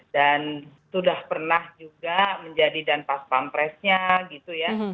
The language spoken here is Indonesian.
dan sudah pernah juga menjadi dan pas pampresnya gitu ya